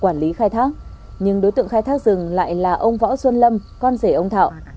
quản lý khai thác nhưng đối tượng khai thác rừng lại là ông võ xuân lâm con rể ông thọ